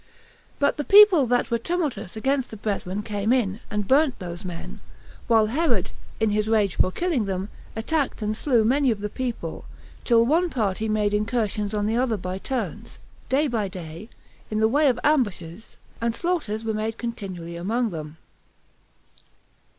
But the people that were tumultuous against the brethren came in, and burnt those men; while Herod, in his rage for killing them, attacked and slew many of the people, till one party made incursions on the other by turns, day by day, in the way of ambushes, and slaughters were made continually among them.